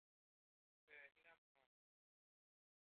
عه اینم اومد